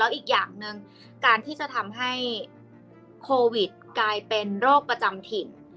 อีกอย่างหนึ่งการที่จะทำให้โควิดกลายเป็นโรคประจำถิ่น